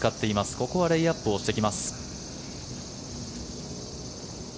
ここはレイアップをしてきます。